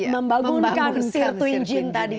membangunkan sear twin gene tadi